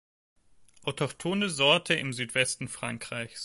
Autochthone Sorte im Südwesten Frankreichs.